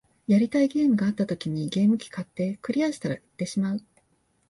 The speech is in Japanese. やりたいゲームがあった時にゲーム機買って、クリアしたら売ってしまう